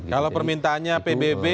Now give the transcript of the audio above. kalau permintaannya pbb